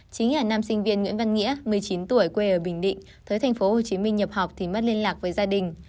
chính là nam sinh viên nguyễn văn nghĩa một mươi chín tuổi quê ở bình định tới tp hcm nhập học thì mất liên lạc với gia đình